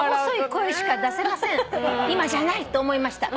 「今じゃないと思いました」